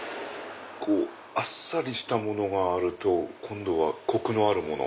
あっさりしたものがあると今度はコクのあるもの。